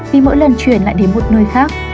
vì mỗi lần chuyển lại đến một nơi khác